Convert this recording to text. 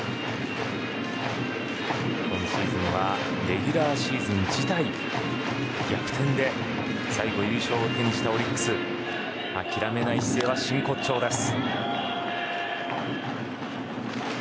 今シーズンはレギュラーシーズン自体逆転で優勝を最後に決めたオリックス諦めない姿勢は真骨頂です。